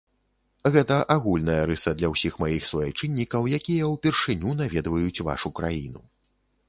Гэта агульная рыса для ўсіх маіх суайчыннікаў, якія ўпершыню наведваюць вашу краіну.